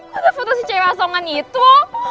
kok udah foto si cewek asongan itu